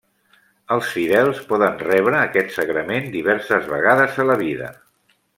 Els fidels poden rebre aquest sagrament diverses vegades a la vida.